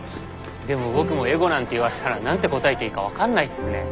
でも僕もエゴなんて言われたら何て答えていいか分かんないっすね。